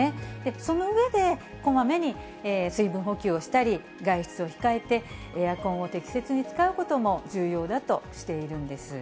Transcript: その上で、こまめに水分補給をしたり、外出を控えて、エアコンを適切に使うことも重要だとしているんです。